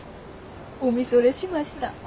お見それしました。